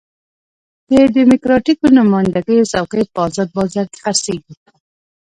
د ډیموکراتیکو نماینده ګیو څوکۍ په ازاد بازار کې خرڅېږي.